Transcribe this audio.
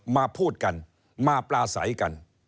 มาพูดกันมาปลาใสกัน